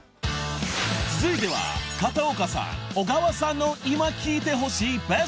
［続いては片岡さん小川さんの今聴いてほしいベスト３］